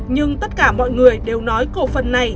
nhưng tất cả mọi người đều nói cổ phần này